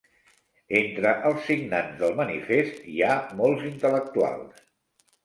Entre els signants del manifest hi ha molts intel·lectuals.